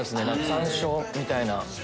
山椒みたいな。